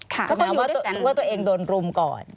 หมายว่าตัวเองโดนรุมก่อน